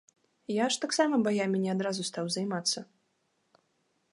Я ж таксама баямі не адразу стаў займацца.